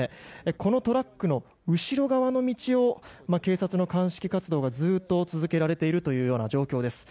このトラックの後ろ側の道を警察の鑑識活動がずっと続けられているという状況です。